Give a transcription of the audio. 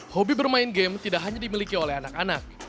hobi bermain game tidak hanya dimiliki oleh anak anak